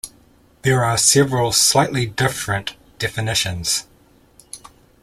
There are several slightly different definitions.